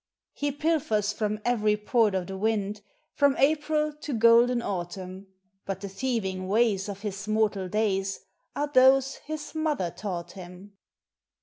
347 He pilfers from every port of the wind, From April to golden autumn; But the thieving ways of his mortal days Are those his mother taught him.